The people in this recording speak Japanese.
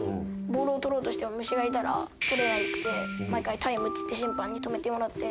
ボールを捕ろうとしても虫がいたら捕れなくて毎回タイムっつって審判に止めてもらって。